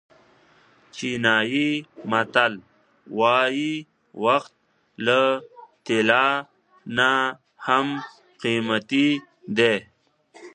چینایي متل وایي وخت له طلا نه هم قیمتي دی.